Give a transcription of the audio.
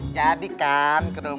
jadi kan ke rumah ibu